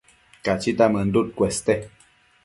Cachita mënduc cueste